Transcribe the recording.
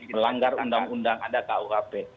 melanggar undang undang ada kuhp